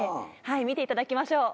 見ていただきましょう。